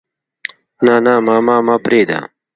نه نه ماما ما پرېده.